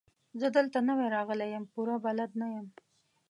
زه دلته نوی راغلی يم، پوره بلد نه يم.